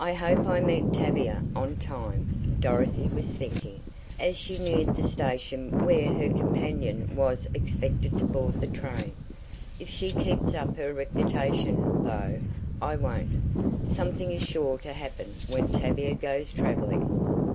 "I hope I meet Tavia on time," Dorothy was thinking, as she neared the station where her companion was expected to board the train. "If she keeps up her reputation, though, I won't. Something is sure to happen when Tavia goes traveling."